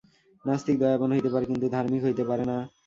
নাস্তিক দয়াবান হইতে পারে, কিন্তু ধার্মিক হইতে পারে না।